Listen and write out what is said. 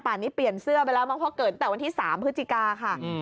ป่านนี้เปลี่ยนเสื้อไปแล้วมันเกิดแต่วันที่๓พฤศจิกาค่ะ